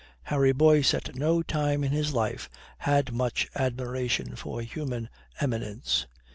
Harry Boyce at no time in his life had much admiration for human eminence.